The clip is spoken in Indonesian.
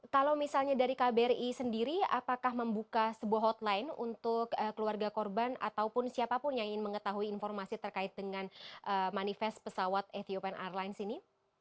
kalau misalnya dari kbri sendiri apakah membuka sebuah hotline untuk keluarga korban ataupun siapapun yang ingin mengetahui informasi terkait dengan manifest pesawat etiopan airlines ini